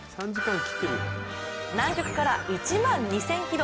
南極から１万２０００ｋｍ。